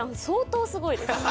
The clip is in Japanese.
相当すごいです。